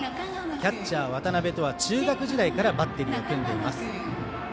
キャッチャーの渡辺とは中学時代からバッテリーを組んでいます。